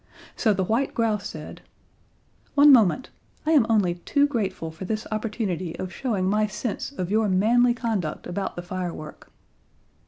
So the white grouse said: "One moment. I am only too grateful for this opportunity of showing my sense of your manly conduct about the firework!"